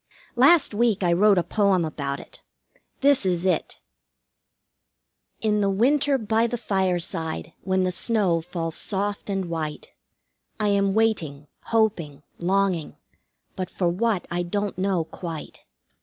Last week I wrote a poem about it. This is it: "In the winter, by the fireside, when the snow falls soft and white, I am waiting, hoping, longing, but for what I don't know quite.